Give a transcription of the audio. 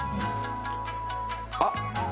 あっ！